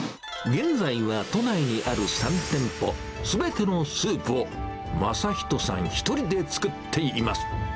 現在は都内にある３店舗すべてのスープを匡仁さん１人で作っています。